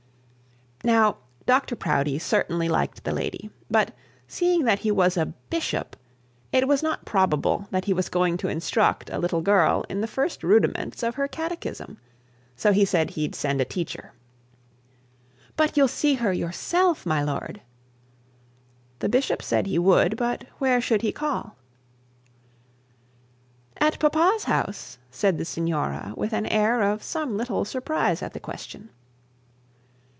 Now, Dr Proudie certainly liked the lady, but, seeing that he was a bishop, it was not probable that he was going to instruct a little girl in the first rudiments of her catechism; so he said he'd send a teacher. 'But you will see her yourself, my lord?' The bishop said he would, but where should he call. 'At papa's house,' said the signora, with an air of some little surprise at the question.